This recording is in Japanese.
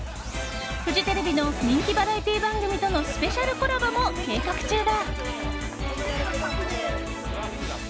フジテレビの人気バラエティー番組とのスペシャルコラボも計画中だ。